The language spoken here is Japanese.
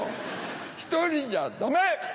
１人じゃダメ！